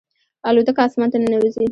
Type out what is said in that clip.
الوتکه اسمان ته ننوځي.